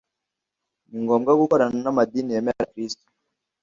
Ni ngombwa gukorana n’amadini yemera Kristo